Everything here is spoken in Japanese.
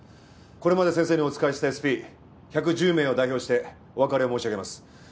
これまで先生にお仕えしたＳＰ１１０名を代表してお別れを申し上げます。